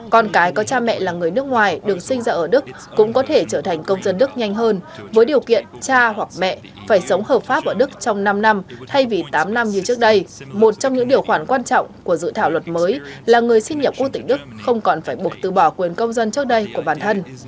con cái có cha mẹ là người nước ngoài được sinh ra ở đức cũng có thể trở thành công dân đức nhanh hơn với điều kiện cha hoặc mẹ phải sống hợp pháp ở đức trong năm năm thay vì tám năm như trước đây một trong những điều khoản quan trọng của dự thảo luật mới là người sinh nhập quốc tịch đức không còn phải buộc từ bỏ quyền công dân trước đây của bản thân